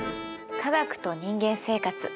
「科学と人間生活」